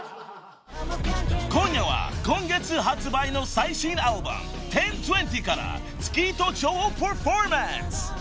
［今夜は今月発売の最新アルバム『ＸＩＩＸ』から『月と蝶』をパフォーマンス］